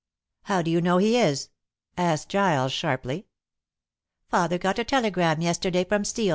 "How do you know he is?" asked Giles sharply. "Father got a telegram yesterday from Steel.